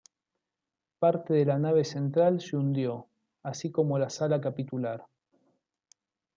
Parte de la nave central se hundió así como la sala capitular.